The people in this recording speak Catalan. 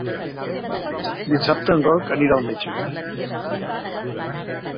Dissabte en Roc anirà al metge.